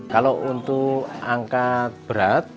kalau untuk angkat berat